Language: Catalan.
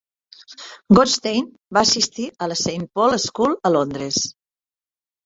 Goodstein va assistir a la Saint Paul's School a Londres.